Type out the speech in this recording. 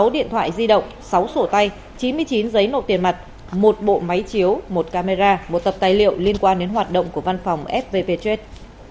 sáu điện thoại di động sáu sổ tay chín mươi chín giấy nộ tiền mặt một bộ máy chiếu một camera một tập tài liệu liên quan đến hoạt động của văn phòng fvp trade